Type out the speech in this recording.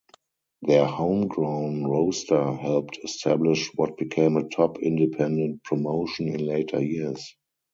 Their homegrown roster helped establish what became a top independent promotion in later years.